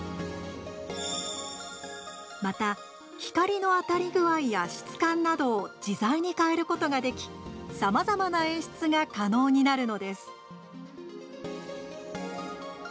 また、光の当たり具合や質感などを自在に変えることができさまざまな演出が可能になるのです。